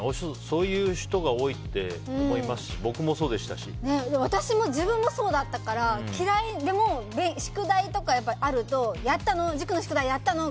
そういう人が多いと思いますし私も、自分もそうだったから嫌いでも宿題とかあると塾の宿題やったの？